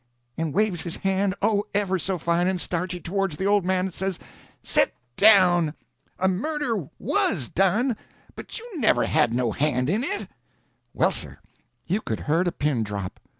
and waves his hand, oh, ever so fine and starchy, towards the old man, and says: "Set down! A murder was done, but you never had no hand in it!" [Illustration: A murder was done.] Well, sir, you could a heard a pin drop.